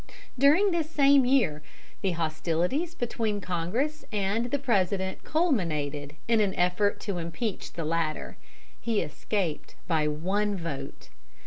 During this same year the hostilities between Congress and the President culminated in an effort to impeach the latter. He escaped by one vote.